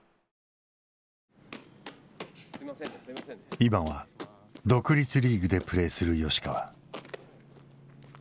今は独立リーグでプレーする吉川。